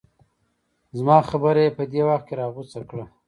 زما خبره یې په دې وخت کې راغوڅه کړه.